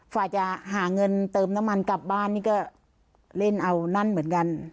ฝ่ายจะหาเงินเติมน้ำมันกลับบ้านนี่ก็เล่นเอานั่นเหมือนกัน